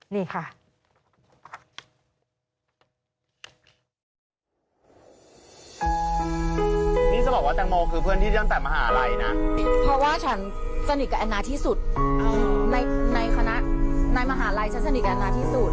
ในคณะในมหาลัยฉันสนิกกับอันน่าที่สุด